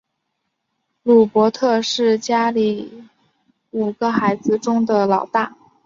鲁伯特是家里五个孩子中的老大。